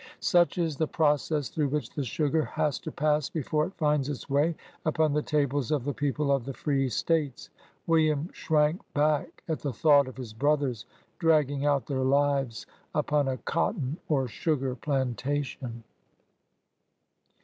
Such is the process through which the sugar has to pass before it finds its way upon the tables of the peo ple of the free States. William shrank back at the thought of his brothers dragging out their lives upon a cotton or sugar plantation.